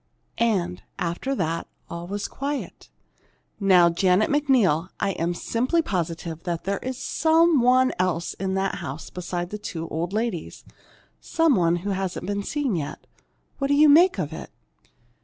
And after that all was quiet. Now, Janet McNeil, I'm simply positive there's some one else in that house beside the two old ladies, some one who hasn't been seen yet. What do you make of it?"